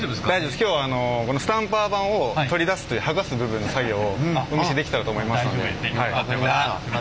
今日はこのスタンパー盤を剥がす部分の作業をお見せできたらと思いますので。